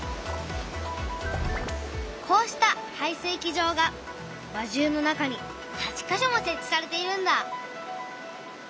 こうした排水機場が輪中の中に８か所も設置されているんだ。